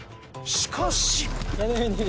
しかし。